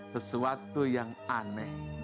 sesuatu yang aneh